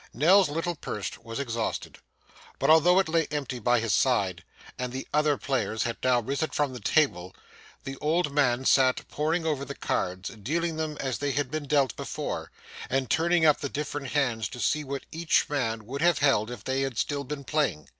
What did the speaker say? Nell's little purse was exhausted; but although it lay empty by his side, and the other players had now risen from the table, the old man sat poring over the cards, dealing them as they had been dealt before, and turning up the different hands to see what each man would have held if they had still been playing.